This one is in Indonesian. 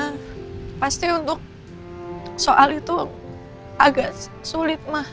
ya pasti untuk soal itu agak sulit ma